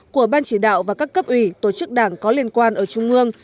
của ban chỉ đạo và các cấp ủy tổ chức đảng có liên quan ở trung ương